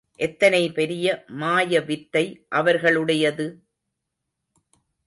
எத்தனை பெரிய மாயவித்தை அவர்களுடையது?